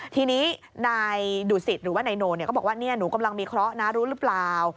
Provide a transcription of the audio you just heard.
ทีนี้นายดุสิตหรือว่านายโนก็บอกว่าหนูกำลังมีเคราะห์นะรู้หรือเปล่า